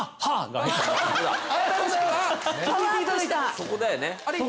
そこだよね。